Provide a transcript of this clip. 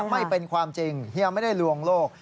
ไม่เป็นความจริงเฮียไม่ได้ลวงโลก